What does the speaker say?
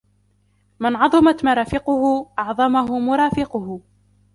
مَنْ عَظُمَتْ مَرَافِقُهُ أَعْظَمَهُ مُرَافِقُهُ